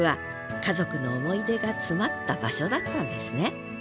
家族の思い出が詰まった場所だったんですね